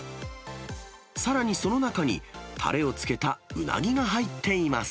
さらにその中に、たれをつけたうなぎが入っています。